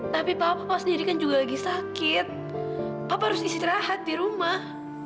tapi papa sendiri kan juga sedang sakit papa harus istirahat di rumah